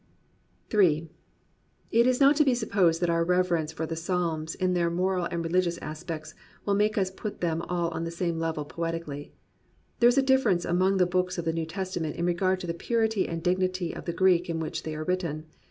Ill It is not to be supposed that our reverence for the Psalms in their moral and religious aspects will make us put them all on the same level poetically. There is a difference among the books of the New Testament in regard to the purity and dignity of the Greek in which they are written.